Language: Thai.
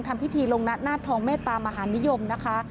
ทำพิธีลงหน้าทองเมตตามหานิยมนะคะ